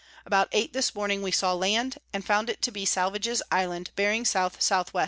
About eight this morning we saw Land, and found it to be Salvage's Island, bearing S S W.